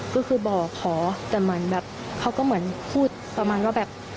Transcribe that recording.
ก็คือบอกจะขอแต่เขาก็เหมือนพูดประมาณว่า